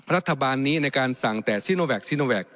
รัฐบาลนี้ในการสั่งแต่ซิโนแกคซีโนแวค